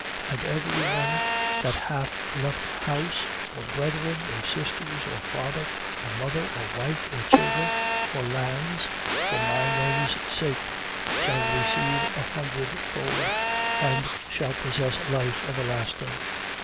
19:29. And every one that hath left house, or brethren, or sisters, or father, or mother, or wife, or children, or lands for my name's sake, shall receive an hundredfold, and shall possess life everlasting.